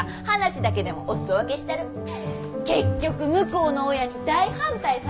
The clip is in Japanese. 結局向こうの親に大反対されてやな。